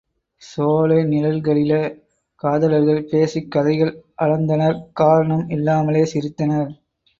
சோலை நிழல்களில காதலர்கள் பேசிக் கதைகள் அளந்தனர் காரணம் இல்லாமலே சிரித்தனர்.